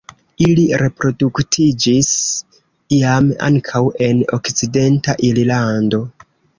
Ili reproduktiĝis iam ankaŭ en okcidenta Irlando.